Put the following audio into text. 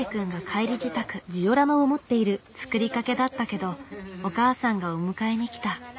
作りかけだったけどお母さんがお迎えに来た。